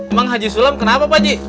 emang haji sulam kenapa pagi